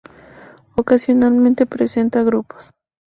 Ocasionalmente presenta grupos.